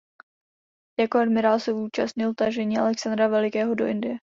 Jako admirál se účastnil tažení Alexandra Velikého do Indie.